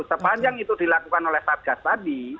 sepanjang itu dilakukan oleh saat gas tadi